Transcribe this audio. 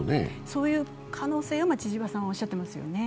そういう可能性を千々和さんはおっしゃっていますよね。